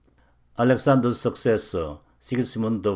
Alexander's successor, Sigismund I.